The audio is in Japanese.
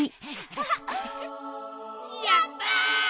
やった！